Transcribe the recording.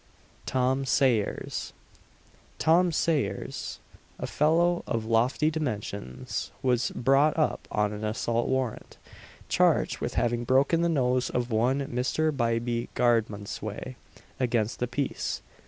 _" TOM SAYERS. Tom Sayers, a fellow of lofty dimensions was brought up on an assault warrant, charged with having broken the nose of one Mr. Bybie Garmondsway, against the peace, &c.